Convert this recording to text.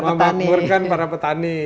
memakmurkan para petani